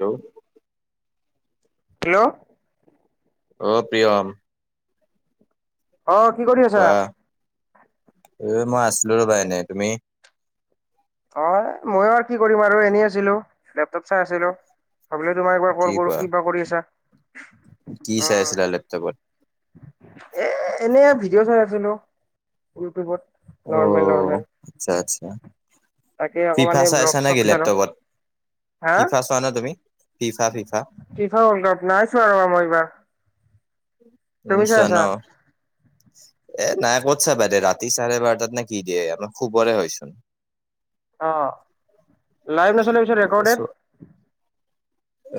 Hello hello অ প্ৰিয়ম অ কি কৰি আছ কোৱা, এ মই আছো ৰবা এনেই। তুমি? অ মইয়ো আৰু কি কৰিম আৰু এনেই আছিলো লেপটপ চাই আছিলো। ভাবিলো তোমাক একবাৰ কি কল কৰো কোৱা কিবা কৰি আছা। কি চাই উম আছিলা লেপটপত? এ এনেই আৰু ভিডিঅ' চাই আছিলো। ইউটিউবত নৰ্মেল অ' নৰ্মেল। আচ্ছা আচ্ছা তাকে অকমান ফিফা এই চাইছা ভ্লগ-শ্লগ নেকি চালো। লেপটপত হা ফিফা চোৱা নে তুমি ফিফা ফিফা? ফিফা নাইছোৱা আৰু মই এইবাৰ। তুমি চাই নোচোৱা নহ? [inaudible] এ নাই ক'ত চাবা এতিয়া ৰাতি চাৰে বাৰটাত নে কি দিয়ে আমাৰ শুবৰে হয়চোন। অ, লাইভ নেচালে পিছত ৰেকৰ্ডেত। চ'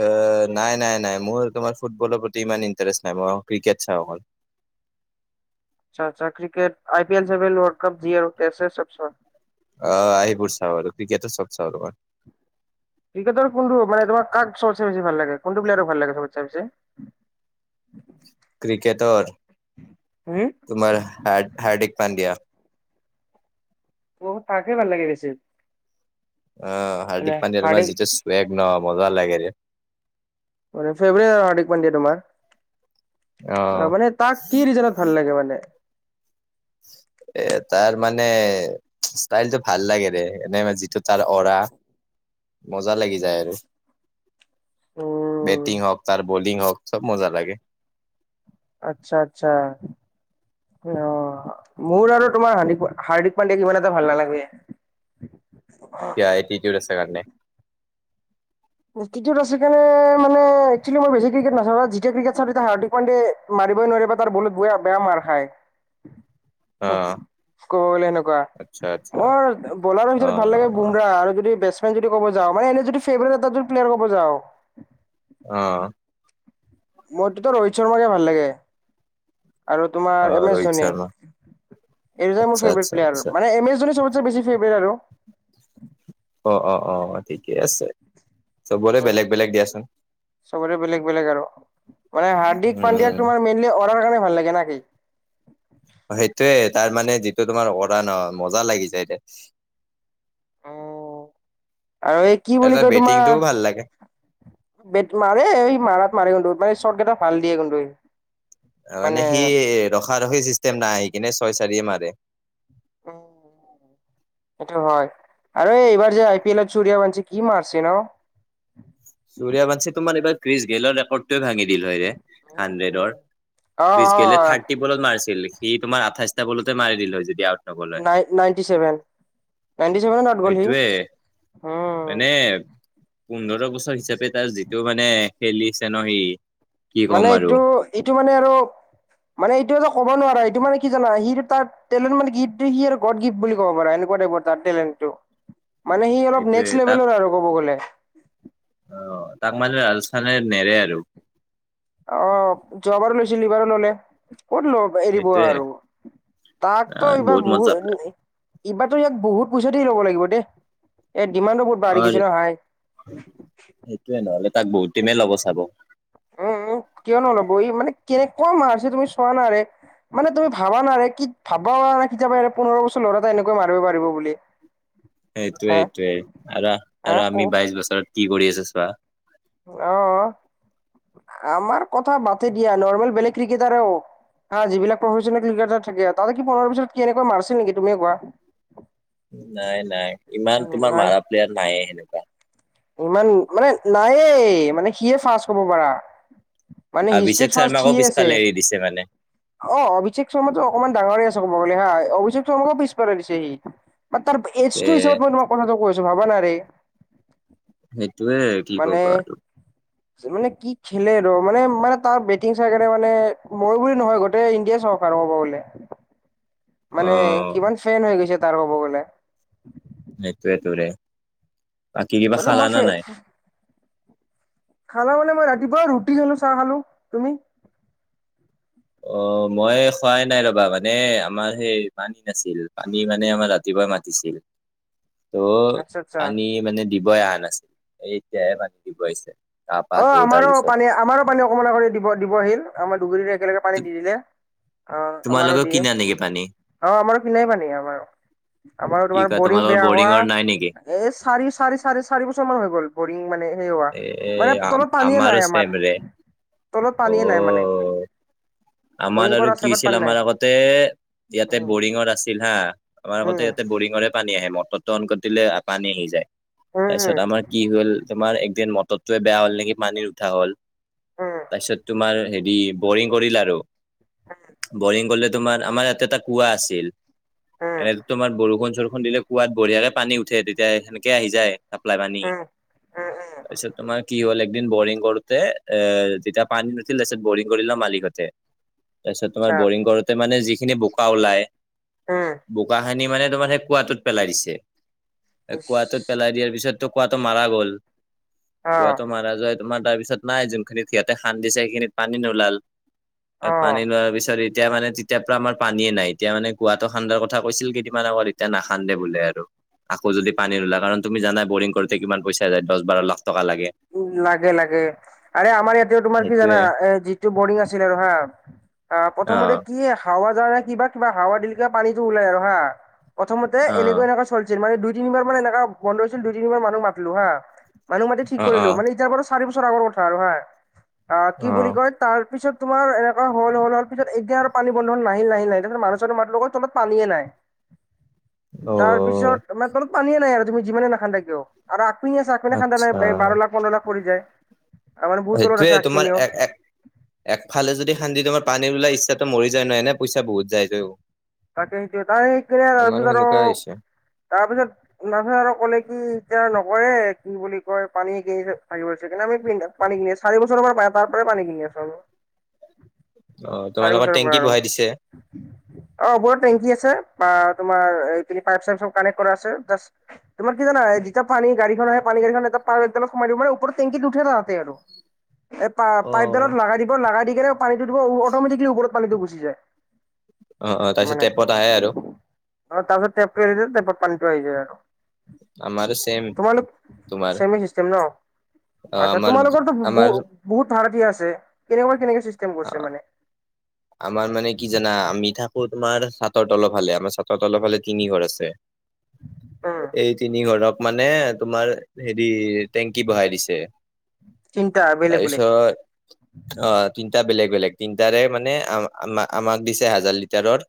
এ নাই। নাই। নাই। মোৰ তোমাৰ ফুটবলৰ প্ৰতি ইমান ইণ্টাৰেষ্ট নাই। মই ক্ৰিকেট চাওঁ অকল। আচ্ছা। আচ্ছা। ক্ৰিকেট। আই পি এল- চাই পি এল, ওৱল্ডকাপ যি আৰু টেষ্ট -চেষ্ট চব চোৱা। অহ। এইবোৰ চাওঁ আৰু। ক্ৰিকেটৰ চব চাওঁ ৰবা। ক্ৰিকেটৰ কোনটো মানে, তোমাক চবতে বেছি ভাল লাগে? কোনটো প্লেয়াৰক ভাল লাগে, চবচে বেছি? ক্ৰিকেটৰ, হুম তোমাৰ হাৰ- হাৰ্ডিক পাণ্ডিয়া। অহ। তাকে ভাল লাগে বেছি। অহ। মানে হাৰ্দিক পাণ্ডিয়া তোমাৰ হাৰ্দিক যেতিয়া চোৱেড ন। মজা লাগে। অ'ৰে। ফেবৰে এ হাৰ্ডিক পাণ্ডিয়া তোমাৰ? অ' মানে তাক কি ৰিজনত ভাল লাগে মানে? এ তাৰ মানে ষ্টাইলটো ভাল লাগে ৰে। এনে মানে যিটো তাৰ অ'ৰা, মজা লাগি যাই আৰু। উম বেটিং হওঁক, তাৰ বলিং হওঁক, চব মজা লাগে। আচ্ছা। আচ্ছা। অ'হ। মোৰ আৰু তোমাৰ হানিক প হাৰিক পানডিয়াক ইমান এটা ভাল নালাগে। কিয়া? এটিটিউদ আছে কাৰণে এটিটিউদ আছে কাৰণে মানে একচুৱেলি মই বেছি ক্ৰিকেট নাচাওঁ। যেতিয়া ক্ৰিকেট চাওঁ তেতিয়া হাৰ্ডিক পাণ্ডিয়ে মাৰিবই নোৱাৰিবা তাৰ বলত বেয়া -বেয়া মাৰ খায়। হোহ। অ', কব গলে হেনেকুৱা। আচ্ছা আচ্ছা মৰ বলাৰৰ ভিতৰত ভাল লাগে অ', বুমৰাহ আৰু যদি বেটছ [unintelligible] যদি কব যাওঁ। মানে এনে যদি ফেভৰেট এটা প্লেয়াৰ কব যাওঁ অহ। মোৰটোতো ৰোহিত শৰ্মাকে ভাল লাগে। আৰু তোমাৰ অ', এম এছ ৰোহিত ধোনী। শৰ্মা এই দুটাই মোৰ আচ্ছা ফেভৰেট আচ্ছা প্লেয়াৰ, আচ্ছা মানে এম এছ ধোনী চবত [unintelligible] টো বেছি ফেভৰেট আৰু। অ। অ। অ। ঠিকে আছে। চবৰে অ'। বেলেগ- বেলেগ দিয়াচোন। চবৰে বেলেগ- বেলেগ আৰু। মানে হাৰ্ডিক পাণ্ডিয়াক উম। তোমাৰ মেইনলি অৰাৰ কাৰণে ভাল লাগে, না কি? অ সেইটোয়ে। তাৰ মানে যিটো তোমাৰ অৰা ন, মজা লাগি যায় দে। অহ। আৰু এই কি বুলি তাৰ কয় বেটিংটোও তোমাৰ ভাল লাগে বে তোমাৰ, এই মাৰাত -মাৰে কিন্ত মানে চৰ্টকেইটা ভাল দিয়ে কিন্তু সি। মানে সি ৰখা ৰখি চিষ্টেম নাই। আহি কিনে ছয় -চাৰিয়ে মাৰে। [unintelligible] এইটো হয়, আৰু এই -এইবাৰ যে আই পি এল এত সূৰয়াবংঞ্চি কি মাৰছে ন? সূৰয়াবংঞ্চি তোমাৰ এবাৰ গ্ৰিছগেলৰ ৰেকৰ্ডটোৱে ভাঙি দিল হয় ৰে। অ'। হাড্ৰেডৰ। অ', গ্ৰিছগেলে অ', থাৰ্টি বলত মাৰিছিল। সি তোমাৰ আঠাইছটা বলতে মাৰি দিল হয়, যদি আউট নগ'ল না- হয় নাই- নাইনটি চেভেন। নাইনটি চেভেনত আউট গল সি? সেইটোয়ে [unintelligible] মানে পোন্ধৰ বছৰ হিচাপে তাৰ যিটো মানে খেলিছে ন সি কি মানে ক'ম আৰু এইটো, এইটো মানে আৰু, মানে এইটো আৰ ক'ব নোৱাৰা। এইটো মানে কি জানা সিটো তাত টলেণ্ট মানে কি, সি আৰু গড গিফ্ট বুলি কব পাৰা, এনেকুৱ টাইপৰ তাৰ টেলেণ্টটো। মানে সি অলপ এইটোয়ে নেক্সট তাক লেভেলৰ আৰু ক'ব গ'লে। অ'। তাক মানে ৰাজস্থানে নেৰে আৰু। অহ। যোৱাবাৰো লৈছিল। এইবাৰো ললে। ক'ত ল এৰিব সেইটোয়ে আৰু। তাকতো আহ এইবাৰ মজা প্লেয়াৰ। বহুত এইবাৰতো ইয়াক বহুত পইচা দি ল'ব লাগিব দেহ। ইয়াৰ ডিমাণ্ডো বহুত অ বাঢ়ি গৈছে ন, হাই সেইটোয়ে। নহলে তাক বহুত টিমে ল'ব চাব। উম। উম। কিয় নল'ব। ই মানে কেনেক-কুৱা মাৰছে তুমি চোৱা না ৰে। মানে তুমি ভাবানা ৰে কি, কি ভাব্বা পাৰা নাই কি- [unintelligible] পোন্ধৰ বছৰ ল'ৰা এটা এনেকৈ মাৰিব পাৰিব বুলি। [inaudible] সেইটোয়ে। হা সেইটোৱে। আৰু -আৰু হা আমি বাইশ বছৰত কি কৰি আছো চোৱা। আহ আমাৰ কথা বাদে দিয়া নৰ্মেল বেলেগ ক্ৰিকেটাৰেও। হা যিবিলাক প্ৰফ্ৰেচনেল ক্ৰিকেটাৰ থাকে [unintelligible] কেনেকুৱা মাৰছিল নেকি তুমিয়ে কোৱা। নাই নাই ইমান উম, তোমাৰ নাই মাৰা প্লেয়াৰ নাইে সেনেকুৱা। ইমান মানে নায়েই মানে সিয়ে ফাৰ্ষ্ট ক'ব পাৰা। মানে অভিষেক হিষ্ট্ৰিত ফাৰ্ষ্ট শৰ্মাকো সিয়ে আছে। পিছফালে এৰি দিছে মানে অভিষেক শৰ্মাটো অকনমান ডাঙৰে আছে ক'ব গ'লে হা অভিষেক শৰ্মাকো পিছ পেলাই দিছে সি। বা তাৰ তে এজটো হিচাপত মই তোমাক কথাটো কৈ আছো ভাবা না ৰে। সেইটোৱে। মানে মানে কি খেলে ৰ মানে মানে তাৰ বেটিং চাই কাৰণে মানে মই বুলি নহয় গোটেই ইণ্ডিয়া চাওঁক। কব গ'লে অ মানে কিমান ফেন হৈ গৈছে তাৰ ক'ব গ'লে। সেইটোয়ে তোৰে বাকী কিবা মানে মোৰ খালা না নাই? খালা মানে মই ৰাতিপুৱা ৰুটি খালো চাহ খালো তুমি? অ', মই খোৱাই নাই ৰবা মানে আমাৰ সেই পানী নাছিল পানী মানে আমাৰ দিবা মাতিছিল। [inaudible] ত' আচ্ছা আচ্ছা পানী মানে দিবই অহা নাছিল এতিয়াহে পানী দিব আহিছে। গা পা অ', ধো তাৰ আমাৰো পিছত পানী আমাৰো পানী অকমানৰ আগতে দিব দিব আহিল আমাৰ [unintelligible] একেলগে পানী দি দিলে। অ', আমাৰো তোমালোকেও দিয়ে কিনা নেকি পানী অ' আমাৰো কিনাই পানী আমাৰো। আমাৰো কি তোমাৰ কয় বৰিং তোমালোকৰ বেয়া বৰিঙৰ নাই নেকি হোৱা এই চাৰি চাৰি চাৰে চাৰি বছৰ মান হৈ গ'ল বৰিং মানে হেৰি হোৱা। এ মানে তলত পানীয়ে আমাৰো নাই চেম আমাৰ ৰে তলত পানীয়ে নাই মানে। অ আমাৰ বৰিং আৰু কৰা কি আছে বাট হৈছিল পানী নাই আমাৰ আতে ইয়াতে উম বৰিঙৰ আছিল হা আমাৰ আগতে উম ইয়াতে বৰিঙৰে পানী আহে মটৰটো অন কৰি দিলে পানী আহি যায়। উম তাৰপিছত আমাৰ কি হ'ল তোমাৰ একদিন মটৰটয়ে বেয়া হ'ল নেকি পানীৰ উঠা হ'ল। উম তাৰপিছত তোমাৰ হেৰি বৰিং কৰিল আৰু। উম। বৰিং কৰিলে তোমাৰ আমাৰ ইয়াতে এটা কুৱা আছিল। উম উম এনেো তোমাৰ বৰষুণ চৰষুণ দিলে কুৱাত বঢ়িয়াকে পানী উঠে তেতিয়া সেনেকে আহি যায়। চাপ্লাই পানী। উম উম উম তাৰপিছত তোমাৰ কি হ'ল একদিন বৰিং কৰো এ তেতিয়া পানী নুঠিল তাৰপিছত বৰিং কৰিলে মালিকহঁতে। তাৰপিছত তোমাৰ আচ্ছা বৰিং কৰোতে মানে যিখিনি বোকা ওলাই উম বোকাখিনি মানে তোমাৰ সেই কুৱটোত পেলাই দিছে। অ কুৱটোত পেলাই দিয়াৰ পিছততো কুৱাটো মাৰা গ'ল। কুৱাটো মাৰা যায় তোমাৰ তাৰপিছত নাই যোনখিনিত সিহঁতে সান্দিছে সেইখিনিত পানী নোলাল। অ পানী লোৱাৰ পিছত এতিয়া মানে তেতিয়া পৰা আমাৰ পানীয়েই নাই। এতিয়া মানে কুৱাটো খান্দাৰ কথা কৈছিল কেইদিন আগত এতিয়া নখান্দে বোলে আৰু। আকৌ যদি পানী নোলাই কাৰণ তুমি জান বৰিং কৰোতে কিমান পইচা যায় দহ বাৰ লাখ টকা লাগে। উম, লাগে লাগে আৰেই আমাৰ ইয়াতে তোমাৰ কি জানা সেইটোয়ে এ যি বৰিং আছিল হা আহ অ প্ৰথমতে কি হাৱা যাৱাই কিবা কিবা হাৱা দিলে পানীতটো ওলাই আৰু হা। প্ৰথমতে অ এনেকুৱ এনেকুৱা কৰিছিল মানে দুই তিনিবাৰ এনেকা বন্ধ হৈছিল দুই তিনিবাৰ মানুহ মাতিলো হা। মানুহ মাতি ঠিক অ কৰিলো মানে এতিয়াৰ পৰা চাৰি বছৰ আগৰ কথা আৰু হা অ' কি বুলি কয় তাৰ পিছত তোমাৰ এনেুৱা হ'ল হ'ল পিছত এয়া আৰু পানী বন্ধ হ'ল নাহিল নাহিল নাই। তাৰপিছত মানুহ চানোহ মাতিলো গৈ পানীয়ে নাই। অ তাৰ পিছত মানে তলত পানীয়ে নাই আৰু তুমি যিমানে নাখান্দা কিয় আৰু আকপিনে আছে আগপিনে খান্দা নাই। আচ্ছা পননাত পৰি যায়। তাৰ মানে বহুত তলত সেইটোৱে আছে তোমাৰ আগপিনেও এক-এক একফালে যদি খান্দি তোমাৰ পানী ওলাই ইচ্ছাটো মৰি যায় নহয় এনে পইচা বহুত যায়তো। তাক তাই ক তাৰ পিছত ত আৰু সেনেকুৱা হৈছে তাৰপিছত। নাথে আৰু ক'লে কি এতিয়া নকৰে কি বুলি কয় পানী কিনি ভিবছে কিনে আমি পিন্ধা। পানী কিনি আ চাৰি বছৰ পৰা পায় তাৰ পৰা পানী কিনি আছো। অ চাৰি তোমালোকৰ বছৰৰ টেংকি পৰা আৰু। বহাই দিছে অ, ওপৰত টেংকি আছে বা তোমাৰ এই পইপ কানেক্ট কৰা আছে। যা তোমাৰ কি‌ জানা যেতিয়া পানী গাড়ী আহে পানী গড়ীখন এ পাল সোমাই দিবান পৰত টেংকি উে যাতে আৰু। এ অ পাইপডালত লগাই দিব লগাগাই দি কেনে পানীটো দিব অটমেটিকেলি ওপৰত পানীটো গুচি যায়। অ, অ, তাৰ পিছত টেপত আহে আৰু। অ, তাৰ পাছত টেপটো এৰি দিম আৰু টেপটো‌ পানী আহি‌ যাব আৰু। আমাৰো ছেম তোমালোক তোমাৰ চেমি চিষ্টেম ন। অ আচ্ছা আমাৰ তোমালোকৰ তো ব আমাৰ বহুত ধাৰতি আছে কেনেকুৱা কেনেকে চিষ্টেম কৰিছে মানে। আমাৰ মানে কি জানা আমি থাকো তোমাৰ চাতৰ তলৰ হালে আমাৰ চাতৰ তলৰ হালে তিনি ঘৰ আছে। অ, এই তিনি ঘৰক মানে তোমাৰ হেৰি। টেংকি বহাই দিছে, তিনটা বেলেগ বেলেগ তাৰপিছত। অ, তিনিটা বেলেগ বেলেগ তিনটাৰে মানে আ, আমাক দিছে হাজাৰ লিটাৰৰ।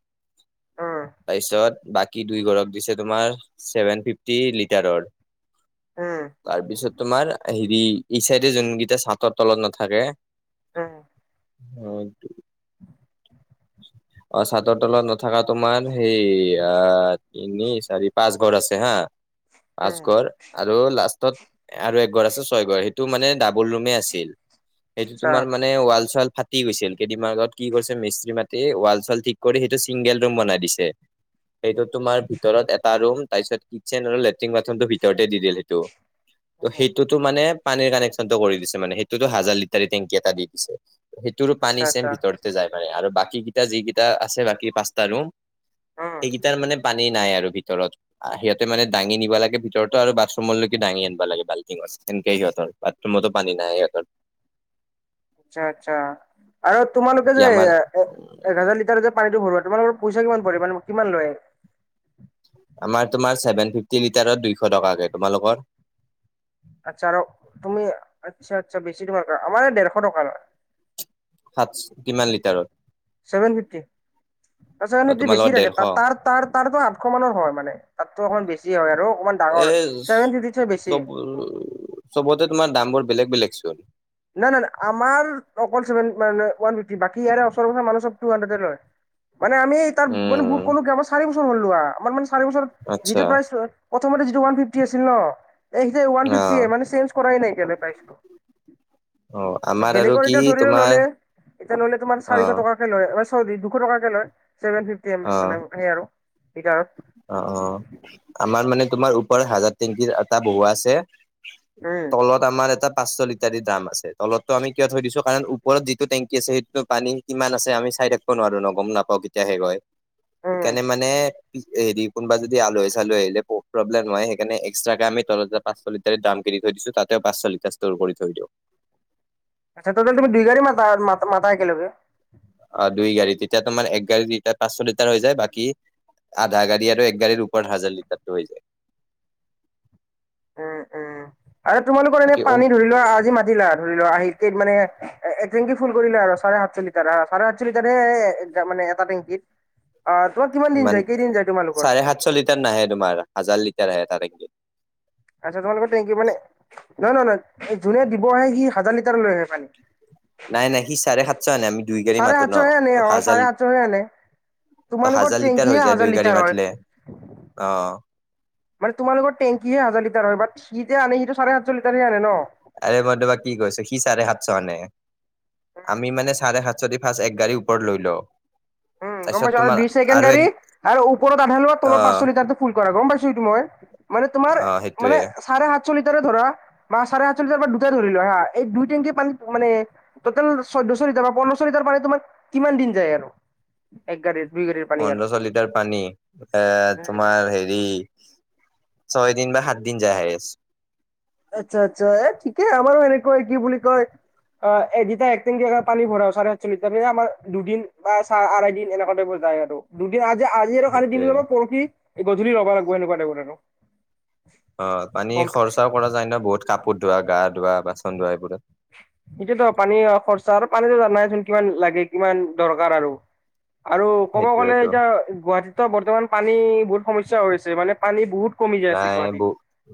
উম তাৰপিছত বাকী দুই ঘৰক দিছে, তোমাৰ ছেভেন ফিফটি লিটাৰৰ। উম, তাৰপিছত তোমাৰ হেৰি এই চাইডে যোনকিটা চাটৰ তলত নাথাকে। উম, হয়টো। [unintelligible] অ, চাদৰ তলত নথকা তোমাৰ সেই আহ। তিনি চাৰি পাঁচ ঘৰ আছে হা, পাঁচ উম ঘৰ আৰু লাষ্টত। আৰু এক ঘৰ আছে ছয় ঘৰ সেইটো মানে ডাবল ৰুমে আছিল সেইটো আচ্ছা তোমাৰ মানে ৱাল চ গৈছিল কেইদিনমানৰ আগতে কি কৰিছে মিস্ত্ৰী মাতি ৱাল চাল ঠিক কৰি সেইটো চিংগল ৰুম বনাই দিছে। সেইটো তোমাৰ ভিতৰত এটা ৰুম তাৰপিছত কিটচেন আৰু লেট্ৰিন বাথৰুমটো ভিতৰতে দি দিলে সেইটো। ত' উম সেইটোতো মানে। পানীৰ কানেকশ্যন টো কৰি দিছে মানে সেইটোতো হাজাৰ লিটাৰ টেংকি এটা দি দিছে। সেইটোৰো আচ্ছা পানী আচ্ছা চেম ভিতৰতে যাই পাৰে আৰু বাকী কেইটা যি কেইটা আছে বাকী পাঁচ্তটা ৰুম। উম সেইকেইটাৰ মানে পানী নাই আৰু ভিতৰত। আহ সিহঁতে মানে দাঙি নিব লাগে ভিতৰতো আৰু বাথৰুমৰলৈকে দাঙি আনিব লাগে বালটি আছে সেনেকে সিহঁতৰ। বাথৰুম মত পানী নাই ইহঁত। আচ্ছা আচ্ছা আৰু তোমালোকে বাকী যে। আমাৰ এক হাজাৰৰ যে পানীটো ভৰোৱাা তোমালোকৰ পইচা কি পৰি পৰে মান কিমান লয়। আমাৰ তোমাৰ চভেন ফিফটি লিটাৰত দুইশ টকাকে তোমালোকৰ। আচ্ছা আৰু তুমি আচ্ছা আচ্ছা বেছি তোমাৰ আমাৰ ডেৰশ টকা লয়। সাত, কিমান লিটাৰত। ছেভেন ফিফটি ছেভেন অ ফিফটি বছি তোমালোকৰ থাকে ডেৰশ তাৰ। তাৰ তাৰো আঠশ মানৰ হয় মানে তাতো অকণ বেছি হয় আৰু অকণমান এ ডাঙৰ চছেভেন ফিফটি হয় বেছি। চব চবতে তোমাৰ দামবোৰ বেলেগ বেলেগ চোন। নাই নাই নাই আমাৰ অকলভেন ৱান ফিফটি বাকী ইয় ওচৰৰ মানুহৰ হাড্ৰেড লয়। [inaudible] মানে আমি তাৰ মানে উম বুত কলো কি আাৰি বছৰ হ'লোৱা আমাৰ মানে চাৰি বছৰত আচ্ছা যিটো প্ৰাই প্ৰথমতে যিটো ওৱান ফিফটি আছিল ন সেইয়া ওৱান অ', ফিফটিয় মানে চেঞ্জ কৰাই নাইক পাইছিলো। অ', আচ্া আমাৰ আৰু বেলেগৰ কি এয়া ধৰিলো তোমাৰ ললে এতিয়া ল'লে তোমাৰ চাৰিশ অ', টকা। চ দুশ টকে লয়ভেন ফিফটি মোন অ', আৰু লিটাৰ। অ, অ, আমাৰ মানে তোমাৰ ওপৰত হাজাৰ টেংকিৰ এটা বহোৱা আছে। উম, তলত আমাৰ এটা পাঁচশ লিটাৰি দাম আছে তলতটো আমি কিয় থৈ দিছো কাৰণ ওপৰত যিটো টেংকি আছে সেইটোতো পানী। কিমান আছে আমি চাই থাকিব নোৱাৰো ন গম নাপাওঁ কেতিয়া শেষ হয় উম সেইকাৰণে মানে হেৰি কোনোবা যদি আলহী চালহী আহিলে প্ৰব্লেম নহয় সেইকাৰণে এক্সট্ৰাকে আম তলত পাঁচশ লিটাৰৰ দাম কিন থৈ দিছো তাতে পাঁচশ লিটাৰ ষ্ট কৰি থৈ দিওঁ। আচ্ছা টোটেল তুমি দুই গাড়ী মাত, মাতা ক একেলগে। অ', দুই গাড়ী তেতিয়া তোমাৰ এক গাড়ী লিটাৰ পাঁচশ লিটাৰ হৈ যায় বাকী আধা গাড়ী আৰু এক গাড়ীৰ ওপৰত হাজাৰ লিৰতাটো হৈ যায়। উম, উম আৰু তোমালোকৰ এনে বাকী পানী ধৰি লোৱা আজি মাতিলা ধৰি লোৱা আহ মান একটেংকি ফুল কৰিলে আৰু চাৰে সাতশ লিটাৰ চাৰে সাতশ লিটাৰে মানে এটা টেংকিত অ', তোমাৰ কিমান দিন যায় কেইদিন যায় তোমালোকৰ পাঁচশ লিটাৰ নাহে তোমাৰ হাজাৰ লিটাৰ আহে তাৰে [unintelligible] আচ্ছা তোমালোকৰ টেংকি মানে নহয়, নহয় নহয় এই যোনে দিব আহে সি হাজাৰ লিটাৰ লৈ আহে পানী। নাই, নাই সি চাৰে সাতশ আনেই আমি দুই গাড়ী চাৰে মাতো ন সাতশহে আনে ত অ হাজাৰ চাৰে সাতশহে আনে ত তোমালোকৰ হাজাৰ লিটাৰ টেংকিয়ে হৈ যায় হাজাৰ দুই গাড়ী লিটাৰ হয়। মাতিলে অ'। মানে তোমোলোকৰ টেংকি হোজৰ লিটাৰ হয় বাট সি যে আনে সিটো চাৰে সাতশ লিটাৰে আনে ন। আৰে মই তোমাক কি কৈছো সি চাৰে সাতশ আনে আমি মানে চাৰে সাত যদি ফাৰ্ষ্ট এক গাড়ীৰ ওপৰত লৈ ও উম গম পাইছোঁ আৰু দুই ছেকেণ্ড গাড়ী আৰু ওপৰত আধা লোৱা অ তলৰ পাঁচশ লিটাৰটো ফুল কৰা গম পাইছো এইটো মই মানে তোমাৰ অ মানে সেইটোয়ে চাৰে সাত আতশ লিটাৰ ধৰা ম চাৰে আঠশ লিটাৰ বা দুটাই ধৰি লোৱা হা এই দুই টেংকি পানী মানে 'টোটল চৈধ্যশ লিটাৰ বা পোন্ধৰচ লিটাৰ পানী তোমাৰ কিমান দিন যায় আৰু। একগাড়ী। পোন্ধৰশ লিটাৰ পানী এ উম তোমাৰ হেৰি ছয় দিন বা সাত দিন যায় হাইষ্ট। আচ্ছা আচ্ছা এ ঠিকে আমাৰো এনেকুৱাই কি বুলি কয়। অ', এ দুটা একদিন পানী ভৰা চাৰে আাতশ লিটাৰ পি আমাৰ দুদিন বা চ আঢ়ৈ দিন এনেকুৱা বুজাই আৰু। দুদিন আজি, আজি আৰু কালি সেইটোয়ে তিদিন পৰহি গধূলি ল'ব লাগিব এনেকুৱা টাইপৰ আৰু। অ', পানী কম খৰচাও কৰা যায় ন বহুত কাপোৰত ধোৱা গা ধোৱা বাচন ধোৱা এইবোৰত। এটোতো পানী খৰচা আৰু পানীতো নাই চোন কিমান লাগে কিমান দৰকাৰ আৰু আৰু ক'ব গ'লে সেইটোয়েতো এতিয়া গুৱাহাটীতো বৰ্তমান পানী বহুত সমস্যা আছে মানে পানী বহুত কমি যায় আছে নাই, ব গুৱাহাটীত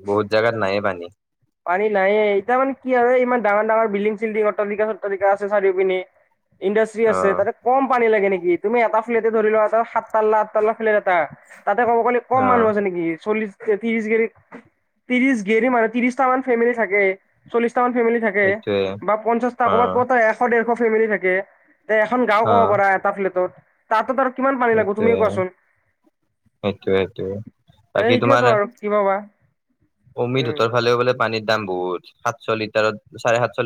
বহুত জাগাত নাইয়ে পানী। পানী নায়ে, এতিয়া মানে কি আৰু ইমান ডাঙৰ ডাঙৰ বিল্ডিং চিল্ডিং অট্টালিকা চট্টালিকা আছে চাৰিও পিনে ইণ্ডাষ্ট্ৰি অ আছে তাতে কম পানী লাগে নেকি? তুমি এটা ফ্লেটে ধৰি লোৱা এটা সাত তাল্লা আঠ তাল্লা ফ্লেট এটা, তাতে ক'ব গ'লে অ কম মানুহ আ নেকি চল্লিশ সিহঁতি ইজিগেৰি, ত্ৰিৰিশ গেৰী মাৰে ত্ৰিশটা মান ফেমেলি থাকেই, চলিশটা মান ফেমিলি থাকে থাকে, সেইটোৱে বা পঞ্চাশটা অ ক'ৰবাত ক'ত এশ দেৰশ ফেমিলি থাকে, তে এখন গাওঁ অ ক'ব পৰা এটা ফ্লেটত তাততো আৰু কিমান পানী লাগিব তুমিয়ে কোৱাচোন। অ'কে অ'কে, এ বাকি সেইটোয়েতো তোমাৰ আৰু কি ভাবা [inaudible] অমৃত উম হঁতৰ ফালে বোলে পানীৰ দাম বহুত। সাতশ লিটাৰত চাৰে সাতশ লি